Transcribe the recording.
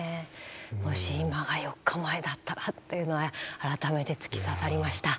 もし今が４日前だったらっていうのは改めて突き刺さりました。